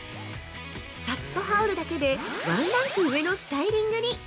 さっと羽織るだけでワンランク上のスタイリングに。